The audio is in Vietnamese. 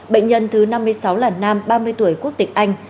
bệnh nhân thứ năm mươi sáu là nam ba mươi tuổi quốc tịch anh